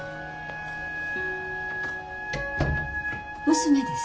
娘です。